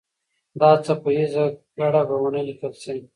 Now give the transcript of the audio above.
دا څپه ایزه ګړه به ونه لیکل سي.